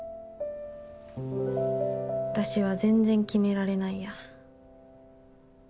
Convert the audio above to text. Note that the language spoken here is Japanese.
私は全然決められないや。